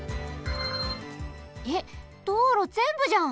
えっどうろぜんぶじゃん！